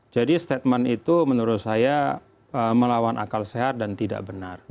jadi statement itu menurut saya melawan akal sehat dan tidak benar